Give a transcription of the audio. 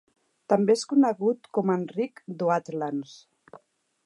També és conegut com Enric d'Oatlands.